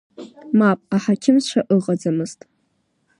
Мап, аҳақьымцәа ыҟаӡамызт.